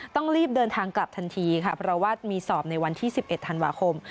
ต้องรีบเดินทางกลับทันทีค่ะเพราะว่ามีสอบในวันที่๑๑ธันวาคม